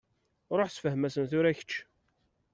Ṛuḥ ssefhem-asen tura kečč.